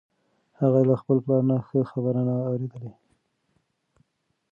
هغه له خپل پلار نه ښه خبره نه وه اورېدلې.